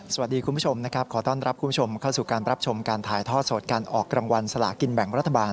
คุณผู้ชมนะครับขอต้อนรับคุณผู้ชมเข้าสู่การรับชมการถ่ายทอดสดการออกรางวัลสลากินแบ่งรัฐบาล